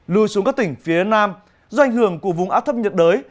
lùi xuống các tỉnh phía nam do ảnh hưởng của vùng áp thấp nhiệt đới